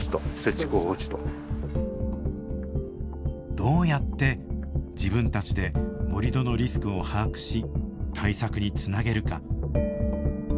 どうやって自分たちで盛土のリスクを把握し対策につなげるか。